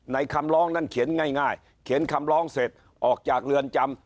คำร้องนั้นเขียนง่ายเขียนคำร้องเสร็จออกจากเรือนจำ